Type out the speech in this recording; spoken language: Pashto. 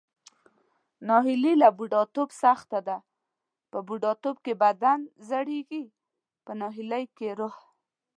ناهیلي له بوډاتوب سخته ده، په بوډاتوب کې بدن زړیږي پۀ ناهیلۍ کې روح.